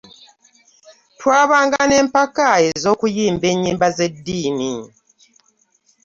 Twabanga ne mpaka ezokuyimba ennyimba ezeddini.